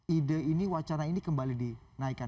ide ini wacana ini kembali dinaikkan